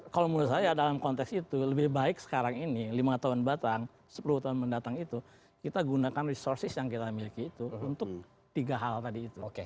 kalau menurut saya dalam konteks itu lebih baik sekarang ini lima tahun batang sepuluh tahun mendatang itu kita gunakan resources yang kita miliki itu untuk tiga hal tadi itu